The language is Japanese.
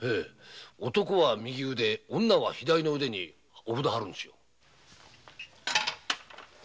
男は右腕女は左腕にお札貼るんですよ。